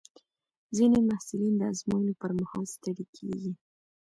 ځینې محصلین د ازموینو پر مهال ستړي کېږي.